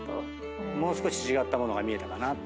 もう少し違ったものが見えたかなって。